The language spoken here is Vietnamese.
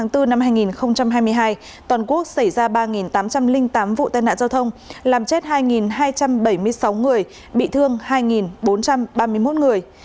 tháng bốn năm hai nghìn hai mươi hai toàn quốc xảy ra ba tám trăm linh tám vụ tai nạn giao thông làm chết hai hai trăm bảy mươi sáu người bị thương hai bốn trăm ba mươi một người